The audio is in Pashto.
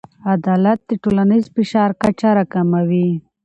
عدالت د ټولنیز فشار کچه راکموي.